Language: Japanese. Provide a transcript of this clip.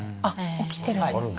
起きてるんですか。